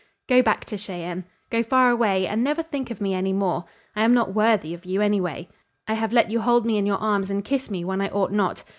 Go back to Cheyenne. Go far away and never think of me any more. I am not worthy of you, anyway. I have let you hold me in your arms and kiss me when I ought not.